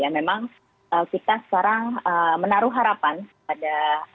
memang kita sekarang menaruh harapan pada